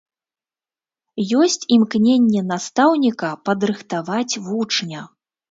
Ёсць імкненне настаўніка падрыхтаваць вучня.